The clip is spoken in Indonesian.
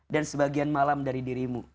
dan sebagian malam dari dirimu